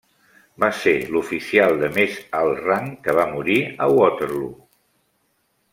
Va ser l'oficial de més alt rang que va morir a Waterloo.